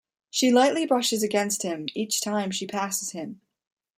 She lightly brushes against him each time she passes him.